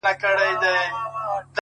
اغزن تار ته غاړه ونيسئ